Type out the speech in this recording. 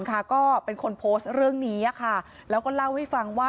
ก็เป็นคนโพสต์เรื่องนี้แล้วก็เล่าให้ฟังว่า